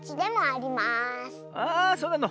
ああそうなの。